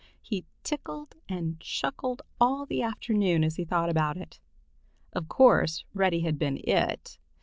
He tickled and chuckled all the afternoon as he thought about it. Of course Reddy had been "it."